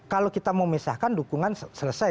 kalau kita mau memisahkan dukungan selesai